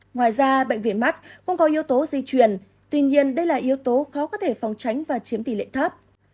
ngoài ra bệnh viện mắt cũng có yếu tố di truyền tuy nhiên đây là yếu tố khó có thể phòng tránh và chiếm tỷ lệ thấp